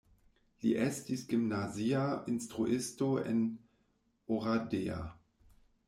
Li estis gimnazia instruisto en Oradea.